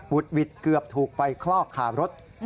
หุดหวิดเกือบถูกไปคลอกขาวรถ